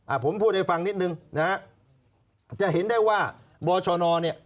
ผมพูดให้ฟังนิดนึงนะฮะจะเห็นได้ว่าบชนเนี่ย